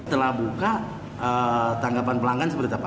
setelah buka tanggapan pelanggan seperti apa